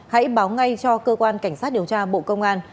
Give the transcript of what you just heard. hãy báo ngay cho cơ quan cảnh sát điều tra bộ công an